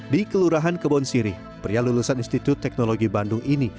di kelurahan kebon sirih pria lulusan institut teknologi bandung ini